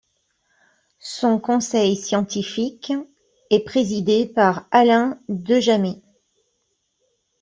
Son conseil scientifique est présidé par Alain Dejammet.